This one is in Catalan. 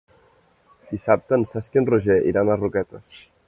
Dissabte en Cesc i en Roger iran a Roquetes.